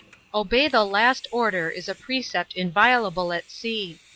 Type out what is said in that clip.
58 " Obey the last order," is a precept inviolable at sea.